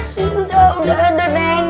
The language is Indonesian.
sudah sudah udah neng